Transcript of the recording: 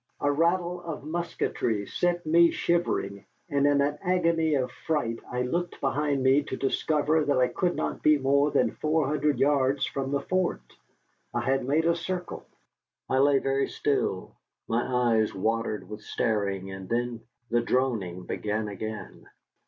A rattle of musketry set me shivering, and in an agony of fright I looked behind me to discover that I could not be more than four hundred yards from the fort. I had made a circle. I lay very still, my eyes watered with staring, and then the droning began again.